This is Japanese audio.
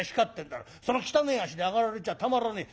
その汚え足で上がられちゃたまらねえ。